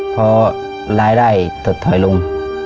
พอรายได้ถดถอยลง